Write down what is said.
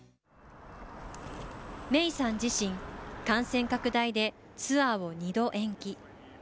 メイさん自身、感染拡大でツアーを２度延期。